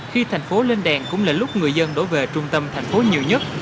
khi thành phố lên đèn cũng là lúc người dân đổ về trung tâm thành phố nhiều nhất